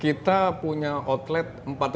kita punya outlet empat tiga ratus dua puluh dua